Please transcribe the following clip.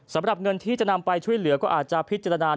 สำหรับเงินที่จะนำไปช่วยเหลือก็อาจจะพิจารณา